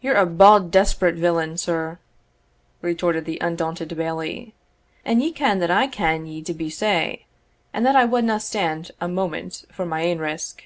"Ye're a bauld desperate villain, sir," retorted the undaunted Bailie; "and ye ken that I ken ye to be sae, and that I wadna stand a moment for my ain risk."